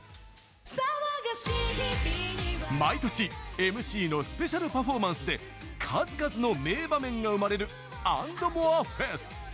毎年、ＭＣのスペシャルパフォーマンスで数々の名場面が生まれる「ａｎｄｍｏｒｅＦＥＳ．」。